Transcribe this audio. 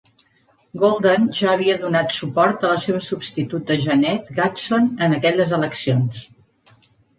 Golden havia donat suport a la seva substituta Jeannette Gadson en aquelles eleccions.